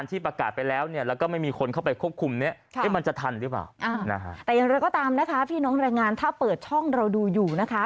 แต่อย่างไรก็ตามนะคะพี่น้องแรงงานถ้าเปิดช่องเราดูอยู่นะคะ